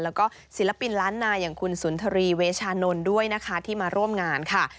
แล้วก็ศิลปินล้านนาอย่างคุณสุนทรีเวชานนท์ด้วยนะคะที่มาร่วมงานค่ะ